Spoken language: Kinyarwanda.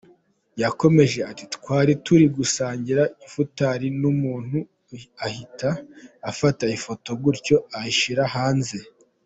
Yakomeje ati “Twari turi gusangira ifutari, umuntu ahita afata ifoto gutyo ayishyira hanze.